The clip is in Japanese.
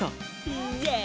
イエイ！